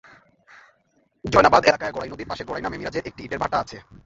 জয়নাবাদ এলাকায় গড়াই নদের পাশে গড়াই নামে মিরাজের একটি ইটের ভাটা আছে।